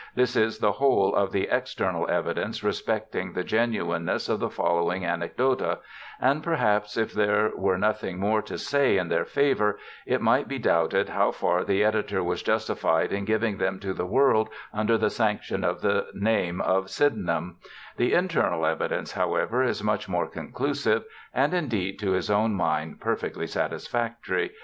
This is the whole of the external evidence respecting the genuine ness of the following Anecdota ; and perhaps, if there were nothing more to say in their favour, it might be doubted how far the editor was justified in giving them to the world under the sanction of the name of Syden ham: the internal evidence, however, is much more conclusive, and indeed to his own mind perfectly satis factory.